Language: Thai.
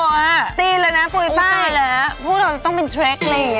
เหมือนแน่